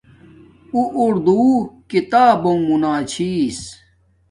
اُو اردو کتابنݣ موناچھس